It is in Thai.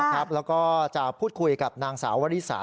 แล้วก็จะพูดคุยกับนางสาววริสา